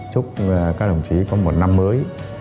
chúc các đồng chí có một năm mới